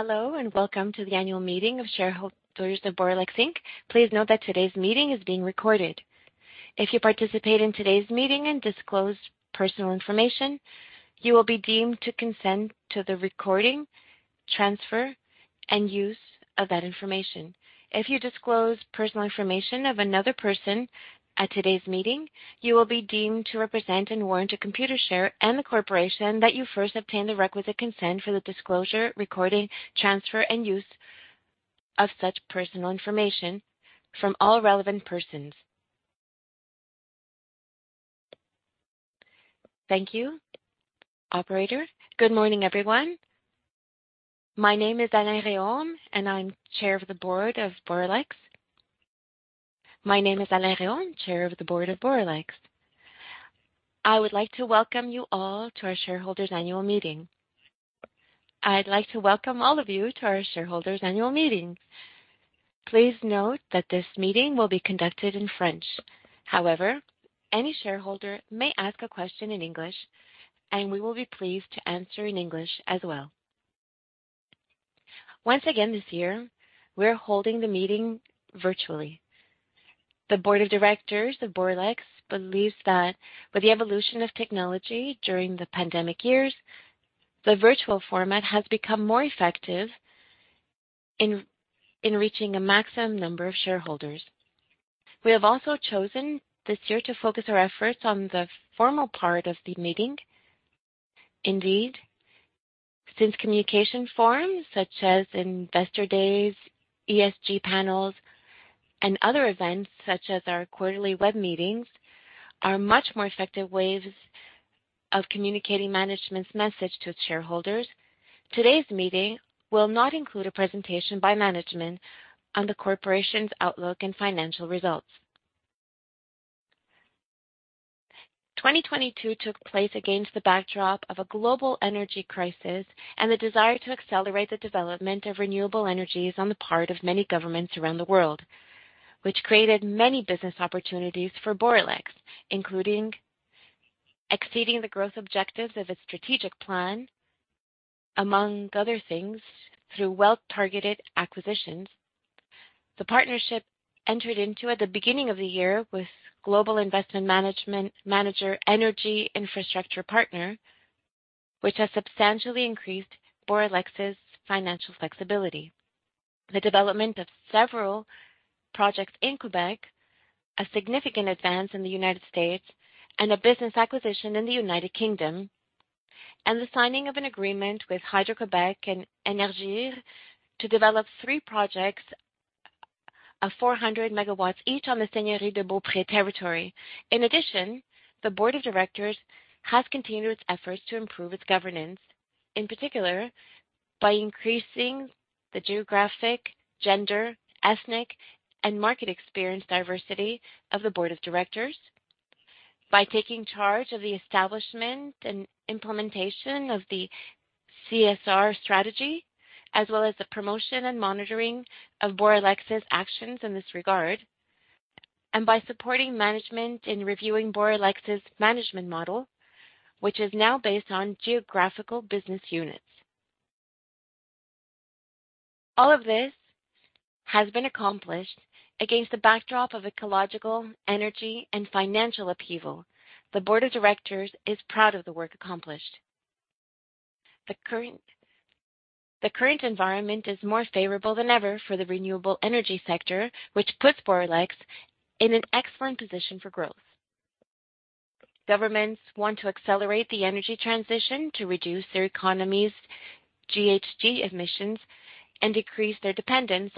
Hello, and welcome to the annual meeting of shareholders of Boralex Inc. Please note that today's meeting is being recorded. If you participate in today's meeting and disclose personal information, you will be deemed to consent to the recording, transfer, and use of that information. If you disclose personal information of another person at today's meeting, you will be deemed to represent and warrant to Computershare and the corporation that you first obtained the requisite consent for the disclosure, recording, transfer, and use of such personal information from all relevant persons. Thank you, operator. Good morning, everyone. My name is Alain Rhéaume, and I'm Chair of the Board of Boralex. My name is Alain Rhéaume, Chair of the Board of Boralex. I would like to welcome you all to our shareholders' annual meeting. I'd like to welcome all of you to our shareholders' annual meeting. Please note that this meeting will be conducted in French. Any shareholder may ask a question in English, and we will be pleased to answer in English as well. Once again, this year, we're holding the meeting virtually. The board of directors of Boralex believes that with the evolution of technology during the pandemic years, the virtual format has become more effective in reaching a maximum number of shareholders. We have also chosen this year to focus our efforts on the formal part of the meeting. Since communication forums such as investor days, ESG panels, and other events such as our quarterly web meetings are much more effective ways of communicating management's message to its shareholders, today's meeting will not include a presentation by management on the corporation's outlook and financial results. 2022 took place against the backdrop of a global energy crisis and the desire to accelerate the development of renewable energies on the part of many governments around the world, which created many business opportunities for Boralex, including exceeding the growth objectives of its strategic plan, among other things, through well-targeted acquisitions. The partnership entered into at the beginning of the year with global investment manager Energy Infrastructure Partners, which has substantially increased Boralex's financial flexibility. The development of several projects in Quebec, a significant advance in the United States, and a business acquisition in the United Kingdom, and the signing of an agreement with Hydro-Québec and Énergir to develop three projects of 400 MW each on the Seigneurie de Beaupré territory. In addition, the board of directors has continued its efforts to improve its governance, in particular by increasing the geographic, gender, ethnic, and market experience diversity of the board of directors, by taking charge of the establishment and implementation of the CSR strategy, as well as the promotion and monitoring of Boralex's actions in this regard, and by supporting management in reviewing Boralex's management model, which is now based on geographical business units. All of this has been accomplished against the backdrop of ecological, energy, and financial upheaval. The board of directors is proud of the work accomplished. The current environment is more favorable than ever for the renewable energy sector, which puts Boralex in an excellent position for growth. Governments want to accelerate the energy transition to reduce their economy's GHG emissions and decrease their dependence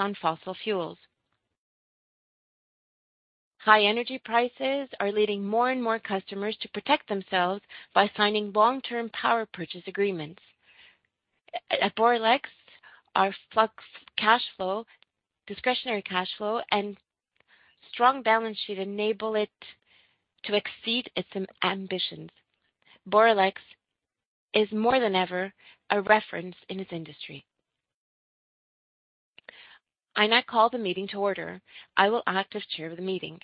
on fossil fuels. High energy prices are leading more and more customers to protect themselves by signing long-term power purchase agreements. At Boralex, our flux cash flow, discretionary cash flow, and strong balance sheet enable it to exceed its ambitions. Boralex is more than ever a reference in its industry. I now call the meeting to order. I will act as chair of the meeting.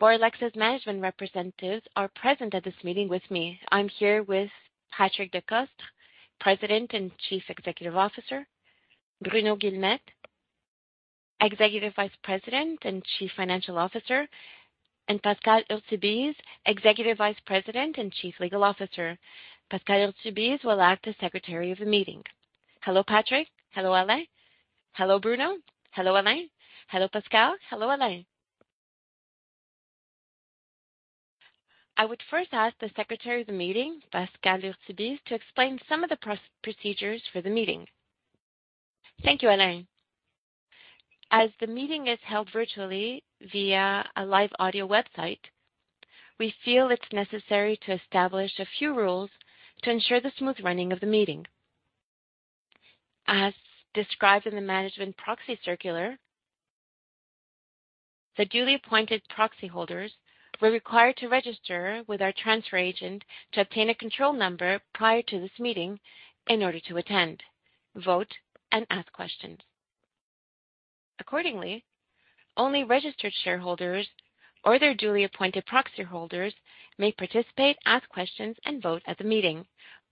Boralex's management representatives are present at this meeting with me. I'm here with Patrick Decostre, President and Chief Executive Officer, Bruno Guilmette, Executive Vice President and Chief Financial Officer, and Pascal Hurtubise, Executive Vice President and Chief Legal Officer. Pascal Hurtubise will act as secretary of the meeting. Hello, Patrick. Hello, Alain. Hello, Bruno. Hello, Alain. Hello, Pascal. Hello, Alain. I would first ask the secretary of the meeting, Pascal Hurtubise, to explain some of the procedures for the meeting. Thank you, Alain. As the meeting is held virtually via a live audio website, we feel it's necessary to establish a few rules to ensure the smooth running of the meeting. As described in the management proxy circular, the duly appointed proxy holders were required to register with our transfer agent to obtain a control number prior to this meeting in order to attend, vote, and ask questions. Accordingly, only registered shareholders or their duly appointed proxyholders may participate, ask questions, and vote at the meeting.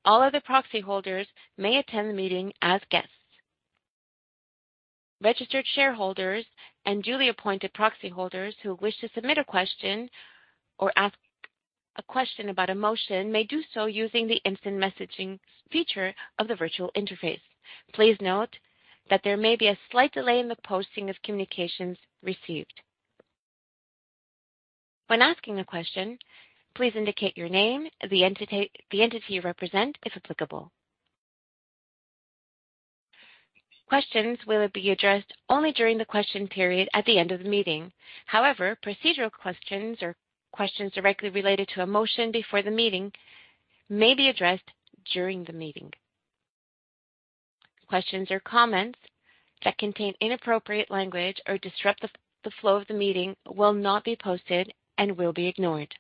All other proxyholders may attend the meeting as guests. Registered shareholders and duly appointed proxyholders who wish to submit a question or ask a question about a motion may do so using the instant messaging feature of the virtual interface. Please note that there may be a slight delay in the posting of communications received. When asking a question, please indicate your name, the entity you represent, if applicable. Questions will be addressed only during the question period at the end of the meeting. Procedural questions or questions directly related to a motion before the meeting may be addressed during the meeting. Questions or comments that contain inappropriate language or disrupt the flow of the meeting will not be posted and will be ignored.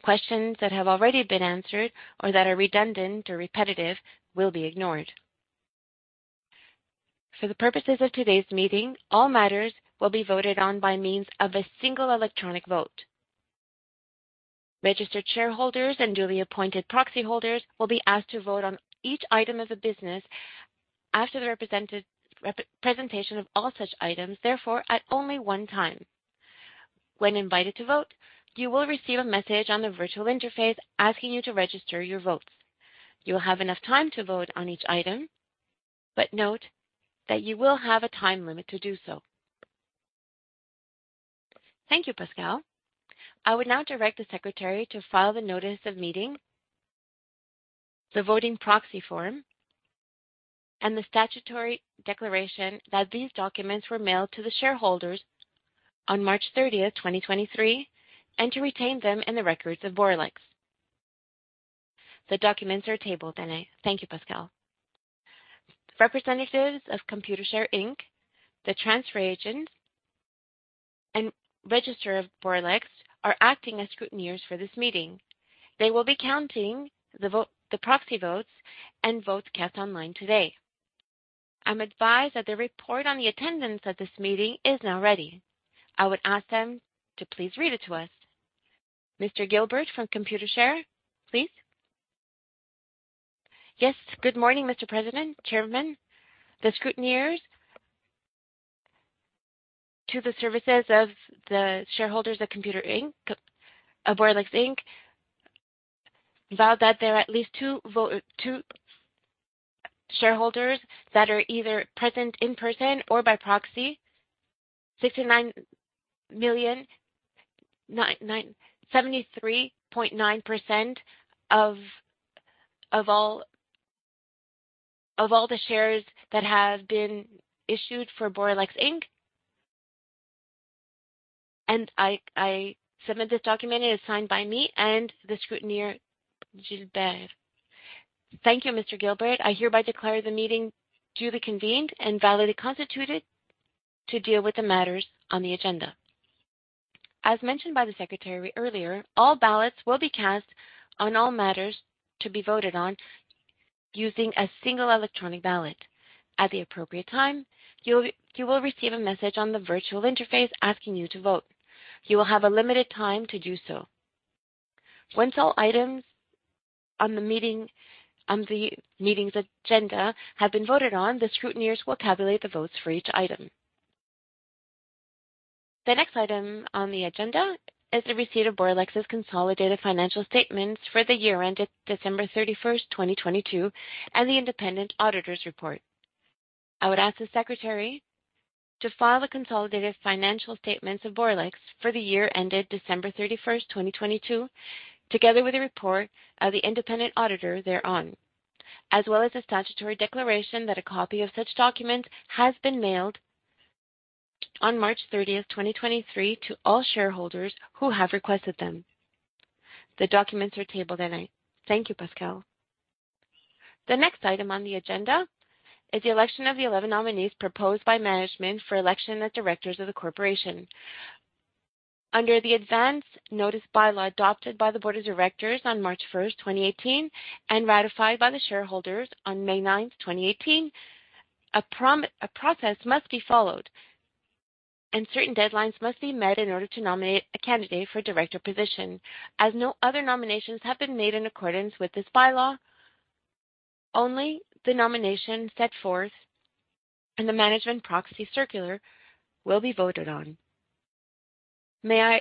Questions that have already been answered or that are redundant or repetitive will be ignored. For the purposes of today's meeting, all matters will be voted on by means of a single electronic vote. Registered shareholders and duly appointed proxyholders will be asked to vote on each item of the business after the presentation of all such items, therefore, at only one time. When invited to vote, you will receive a message on the virtual interface asking you to register your votes. You will have enough time to vote on each item, but note that you will have a time limit to do so. Thank you, Pascal. I would now direct the secretary to file the notice of meeting, the voting proxy form, and the statutory declaration that these documents were mailed to the shareholders on March 30th, 2023, and to retain them in the records of Boralex. The documents are tabled. Thank you, Pascal. Representatives of Computershare Inc, the transfer agent, and registrar of Boralex, are acting as scrutineers for this meeting. They will be counting the proxy votes and votes cast online today. I'm advised that the report on the attendance at this meeting is now ready. I would ask them to please read it to us. Mr. Gilbert from Computershare, please. Yes. Good morning, Mr. President, Chairman. The scrutineers to the services of the shareholders of Boralex Inc. vow that there are at least two shareholders that are either present in person or by proxy, 73.9% of all the shares that have been issued for Boralex Inc. I submit this document. It is signed by me and the scrutineer, Gilbert. Thank you, Mr. Gilbert. I hereby declare the meeting duly convened and validly constituted to deal with the matters on the agenda. As mentioned by the secretary earlier, all ballots will be cast on all matters to be voted on using a single electronic ballot. At the appropriate time, you will receive a message on the virtual interface asking you to vote. You will have a limited time to do so. Once all items on the meeting's agenda have been voted on, the scrutineers will tabulate the votes for each item. The next item on the agenda is the receipt of Boralex's consolidated financial statements for the year ended December 31st, 2022, and the independent auditor's report. I would ask the secretary to file the consolidated financial statements of Boralex for the year ended December 31st, 2022, together with a report of the independent auditor thereon, as well as a statutory declaration that a copy of such documents has been mailed on March 30th, 2023, to all shareholders who have requested them. The documents are tabled then. Thank you, Pascal. The next item on the agenda is the election of the 11 nominees proposed by management for election as directors of the corporation. Under the advance notice by-law adopted by the board of directors on March 1st, 2018, and ratified by the shareholders on May 9th, 2018, a process must be followed, and certain deadlines must be met in order to nominate a candidate for a director position. As no other nominations have been made in accordance with this by-law, only the nominations set forth in the management proxy circular will be voted on. May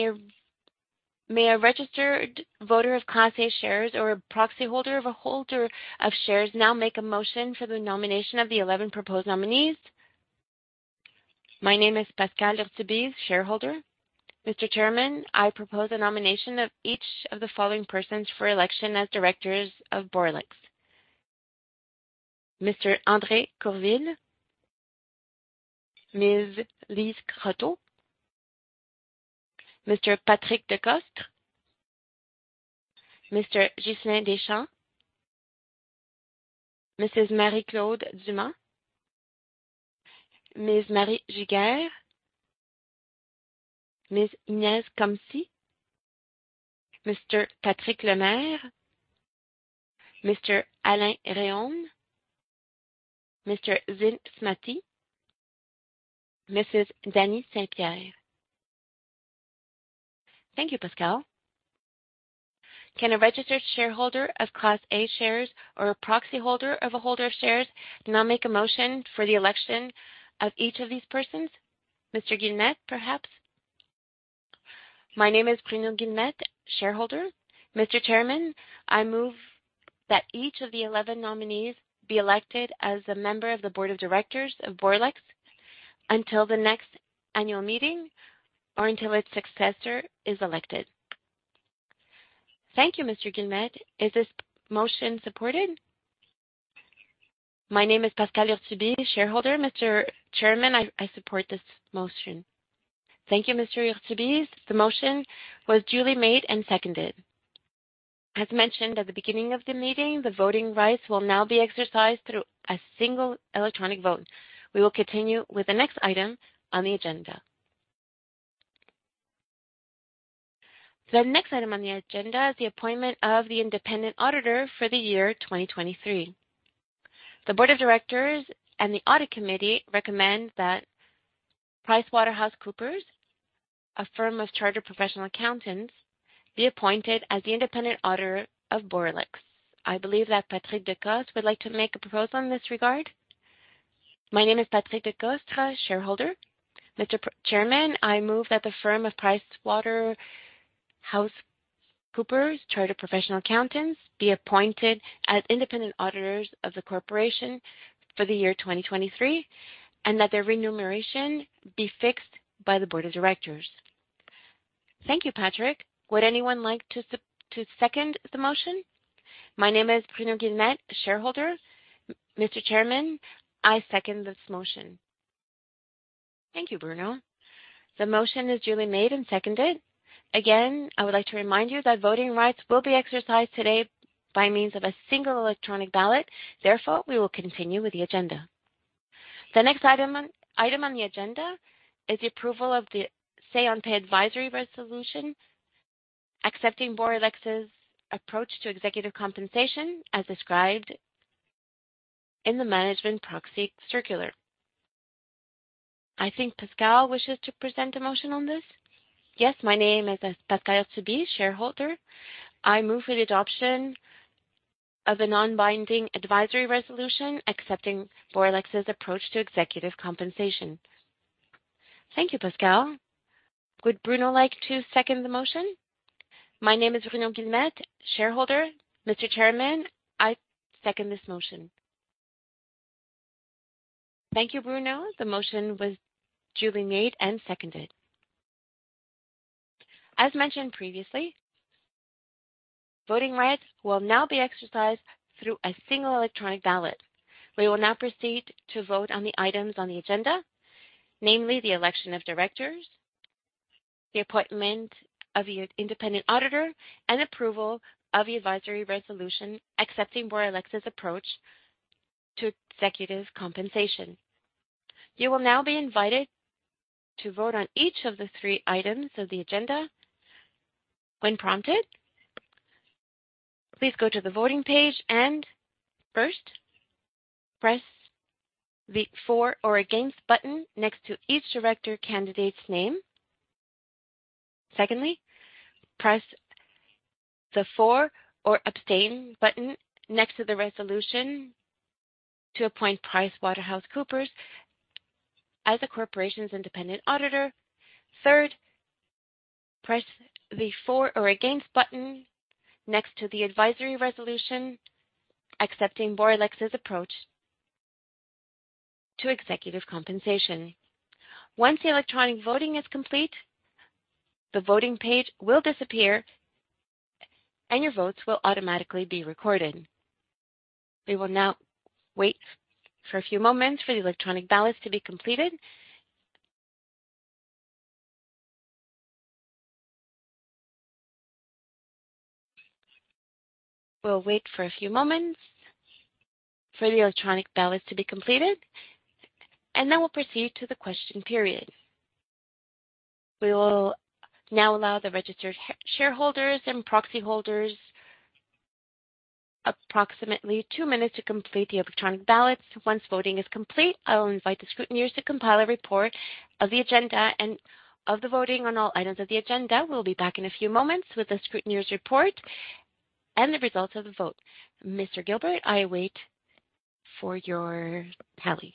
a registered voter of Class A shares or a proxyholder of a holder of shares now make a motion for the nomination of the 11 proposed nominees? My name is Pascal Hurtubise, shareholder. Mr. Chairman, I propose a nomination of each of the following persons for election as directors of Boralex. Mr. André Courville, Ms. Lise Croteau, Mr. Patrick Decostre, Mr. Ghyslain Deschamps, Mrs. Marie-Claude Dumas, Ms. Marie Giguère, Ms. Ines Kolmsee. Mr. Patrick Lemaire. Mr. Alain Rhéaume. Mr. Zin Smati. Mrs. Dany St-Pierre. Thank you, Pascal. Can a registered shareholder of Class A shares or a proxyholder of a holder of shares now make a motion for the election of each of these persons? Mr. Guilmette, perhaps? My name is Bruno Guilmette, shareholder. Mr. Chairman, I move that each of the 11 nominees be elected as a member of the board of directors of Boralex until the next annual meeting or until its successor is elected. Thank you, Mr. Guilmette. Is this motion supported? My name is Pascal Hurtubise, shareholder. Mr. Chairman, I support this motion. Thank you, Mr. Hurtubise. The motion was duly made and seconded. As mentioned at the beginning of the meeting, the voting rights will now be exercised through a single electronic vote. We will continue with the next item on the agenda. The next item on the agenda is the appointment of the independent auditor for the year 2023. The board of directors and the audit committee recommend that PricewaterhouseCoopers, a firm of chartered professional accountants, be appointed as the independent auditor of Boralex. I believe that Patrick Decostre would like to make a proposal in this regard. My name is Patrick Decostre, shareholder. Mr. Chairman, I move that the firm of PricewaterhouseCoopers, chartered professional accountants, be appointed as independent auditors of the corporation for the year 2023, and that their remuneration be fixed by the board of directors. Thank you, Patrick. Would anyone like to second the motion? My name is Bruno Guilmette, shareholder. Mr. Chairman, I second this motion. Thank you, Bruno. The motion is duly made and seconded. Again, I would like to remind you that voting rights will be exercised today by means of a single electronic ballot. Therefore, we will continue with the agenda. The next item on the agenda is the approval of the say on pay advisory resolution, accepting Boralex's approach to executive compensation as described in the management proxy circular. I think Pascal wishes to present a motion on this. Yes, my name is Pascal Hurtubise, shareholder. I move for the adoption of a non-binding advisory resolution accepting Boralex's approach to executive compensation. Thank you, Pascal. Would Bruno like to second the motion? My name is Bruno Guilmette, shareholder. Mr. Chairman, I second this motion. Thank you, Bruno. The motion was duly made and seconded. As mentioned previously, voting rights will now be exercised through a single electronic ballot. We will now proceed to vote on the items on the agenda, namely the election of directors, the appointment of the independent auditor, and approval of the advisory resolution accepting Boralex's approach to executive compensation. You will now be invited to vote on each of the three items of the agenda when prompted. Please go to the voting page and first press the for or against button next to each director candidate's name. Secondly, press the for or abstain button next to the resolution to appoint PricewaterhouseCoopers as the corporation's independent auditor. Third, press the for or against button next to the advisory resolution accepting Boralex's approach to executive compensation. Once the electronic voting is complete, the voting page will disappear, and your votes will automatically be recorded. We will now wait for a few moments for the electronic ballots to be completed. We'll wait for a few moments for the electronic ballots to be completed, then we'll proceed to the question period. We will now allow the registered shareholders and proxyholders approximately two minutes to complete the electronic ballots. Once voting is complete, I will invite the scrutineers to compile a report of the agenda and of the voting on all items of the agenda. We'll be back in a few moments with the scrutineers' report and the results of the vote. Mr. Gilbert, I await your tally.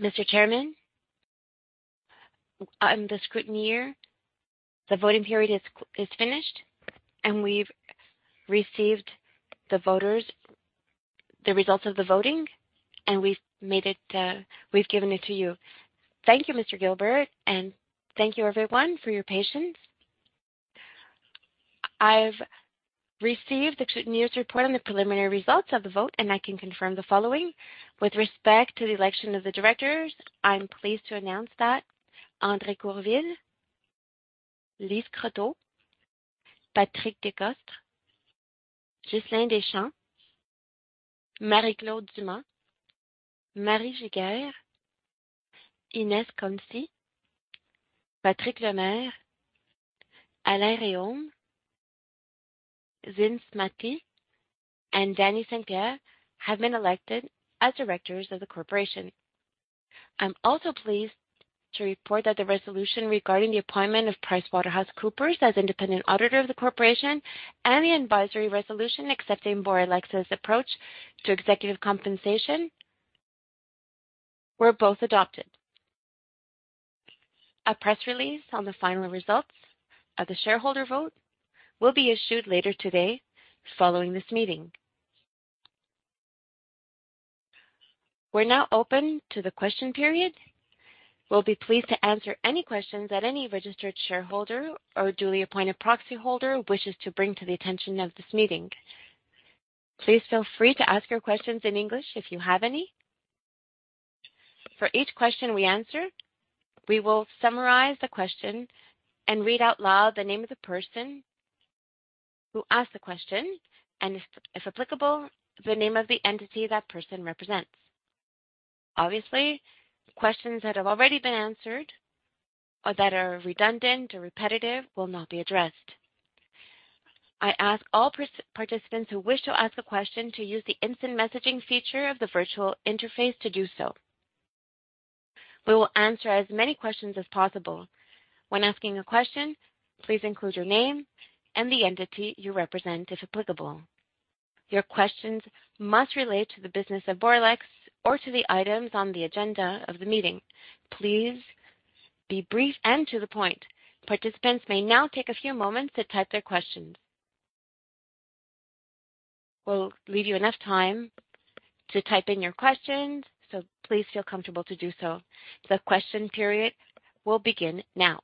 Mr. Chairman, I'm the scrutineer. The voting period is finished, and we've received the results of the voting, and we've given it to you. Thank you, Mr. Gilbert, and thank you, everyone, for your patience. I've received the scrutineer's report on the preliminary results of the vote, and I can confirm the following. With respect to the election of the directors, I'm pleased to announce that André Courville, Lise Croteau, Patrick Decostre, Ghyslain Deschamps, Marie-Claude Dumas, Marie Giguère, Ines Kolmsee, Patrick Lemaire, Alain Rhéaume, Zin Smati, and Dany St-Pierre have been elected as directors of the corporation. I'm also pleased to report that the resolution regarding the appointment of PricewaterhouseCoopers as independent auditor of the corporation and the advisory resolution accepting Boralex's approach to executive compensation were both adopted. A press release on the final results of the shareholder vote will be issued later today following this meeting. We're now open to the question period. We'll be pleased to answer any questions that any registered shareholder or duly appointed proxyholder wishes to bring to the attention of this meeting. Please feel free to ask your questions in English if you have any. For each question we answer, we will summarize the question and read out loud the name of the person who asked the question, and if applicable, the name of the entity that person represents. Obviously, questions that have already been answered or that are redundant or repetitive will not be addressed. I ask all participants who wish to ask a question to use the instant messaging feature of the virtual interface to do so. We will answer as many questions as possible. When asking a question, please include your name and the entity you represent, if applicable. Your questions must relate to the business of Boralex or to the items on the agenda of the meeting. Please be brief and to the point. Participants may now take a few moments to type their questions. We'll leave you enough time to type in your questions. Please feel comfortable to do so. The question period will begin now.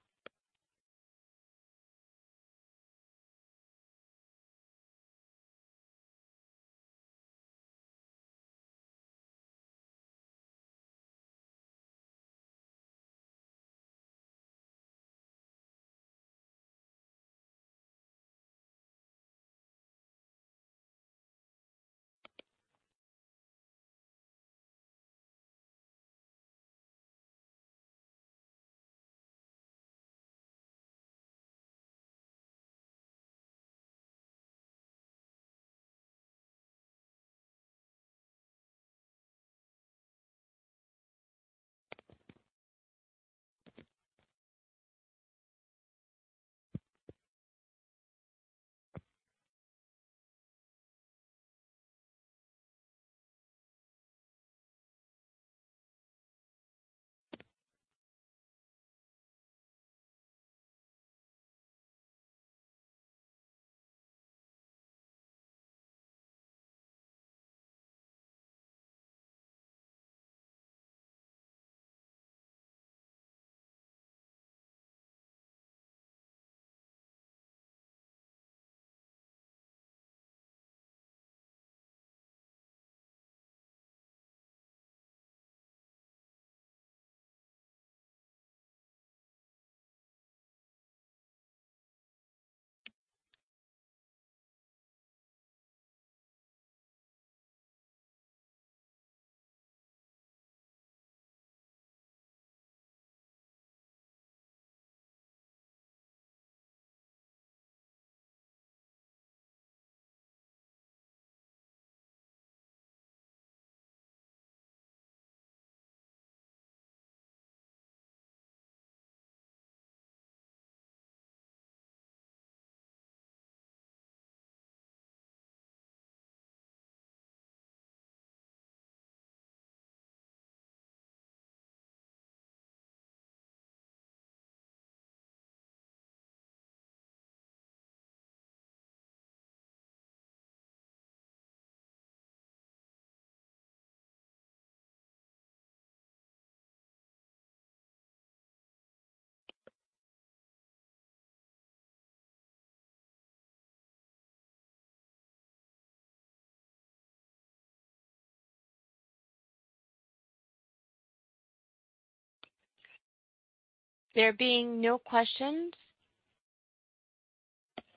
There being no questions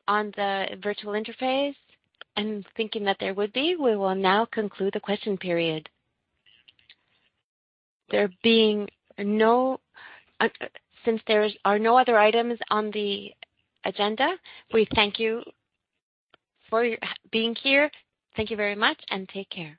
on the virtual interface, and thinking that there would be, we will now conclude the question period. Since there are no other items on the agenda, we thank you for being here. Thank you very much, and take care.